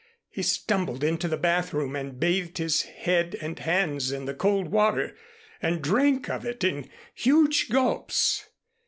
He stumbled into the bathroom and bathed his head and hands in the cold water, and drank of it in huge gulps.